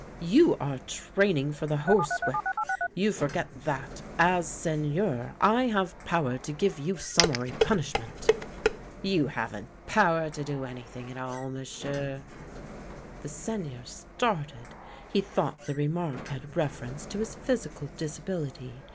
" You are training for the horsewhip. You forget that, as Seigneur, I have power to give you summary punishment." " You haven't pozcer to do anything at all, M'sieu'! " The Seigneur started. He thought the remark had reference to his physical disability.